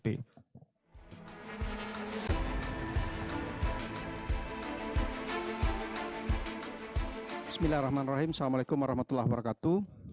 bismillahirrahmanirrahim assalamu'alaikum warahmatullahi wabarakatuh